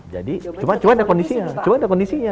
jadi masyarakat siap gak nih